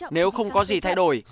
nếu không có gì thay đổi